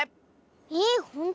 えほんと？